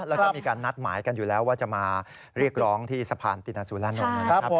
แล้วก็มีการนัดหมายกันอยู่แล้วว่าจะมาเรียกร้องที่สะพานตินสุรานนท์นะครับ